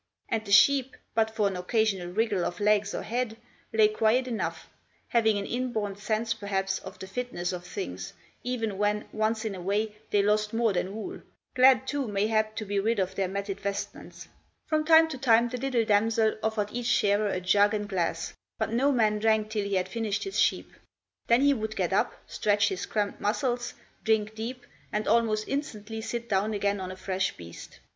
And the sheep, but for an occasional wriggle of legs or head, lay quiet enough, having an inborn sense perhaps of the fitness of things, even when, once in a way, they lost more than wool; glad too, mayhap, to be rid of their matted vestments. From time to time the little damsel offered each shearer a jug and glass, but no man drank till he had finished his sheep; then he would get up, stretch his cramped muscles, drink deep, and almost instantly sit down again on a fresh beast.